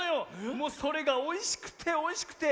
もうそれがおいしくておいしくて。